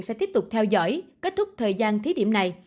sẽ tiếp tục theo dõi kết thúc thời gian thí điểm này